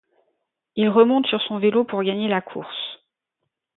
Il remonte sur son vélo pour gagner la course.